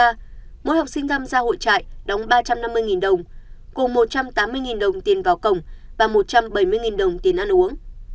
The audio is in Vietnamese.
mỗi học sinh tham gia hội trại đóng ba trăm năm mươi đồng cùng một trăm tám mươi đồng tiền vào cổng và một trăm bảy mươi đồng tiền ăn uống